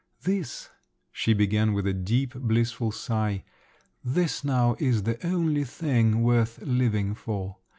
"This," she began with a deep blissful sigh, "this now is the only thing worth living for.